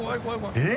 えっ？